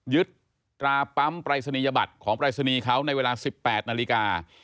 ยึดตราปั๊มปรายศนียบัตรของปรายศนีย์เขาในเวลา๑๘นาฬิกา